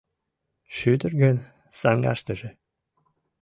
Шӱдыр гын — саҥгаштыже